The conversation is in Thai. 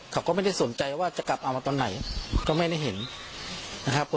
เขาก็ไม่ได้สนใจว่าจะกลับเอามาตอนไหนก็ไม่ได้เห็นนะครับ